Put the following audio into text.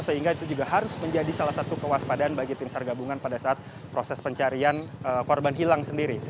sehingga itu juga harus menjadi salah satu kewaspadaan bagi tim sargabungan pada saat proses pencarian korban hilang sendiri